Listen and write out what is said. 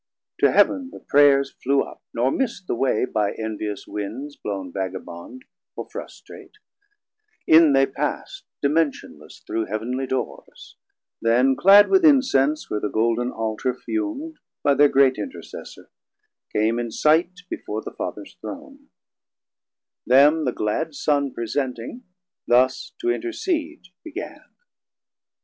To Heav'n thir prayers Flew up, nor missed the way, by envious windes Blow'n vagabond or frustrate: in they passd Dimentionless through Heav'nly dores; then clad With incense, where the Golden Altar fum'd, By thir great Intercessor, came in sight Before the Fathers Throne: Them the glad Son 20 Presenting, thus to intercede began.